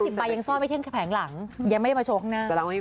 ๑๕๑๐ใบยังซ่อนไม่เที่ยงแผงหลังยังไม่ได้มาโชคข้างหน้า